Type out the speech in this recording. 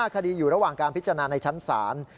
คดีอยู่ระหว่างการพิจารณาในชั้นศาล